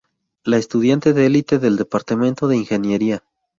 La estudiante de elite del departamento de ingeniería.